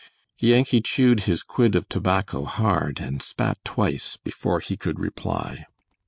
Yankee chewed his quid of tobacco hard and spat twice before he could reply.